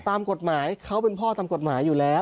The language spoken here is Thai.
ตามกฎหมายเขาเป็นพ่อตามกฎหมายอยู่แล้ว